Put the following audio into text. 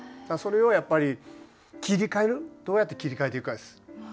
それをやっぱり切り替えるどうやって切り替えていくかです。